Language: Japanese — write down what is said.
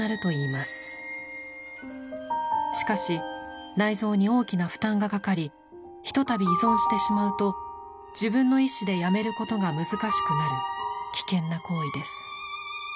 しかし内臓に大きな負担がかかりひとたび依存してしまうと自分の意思でやめることが難しくなる危険な行為です。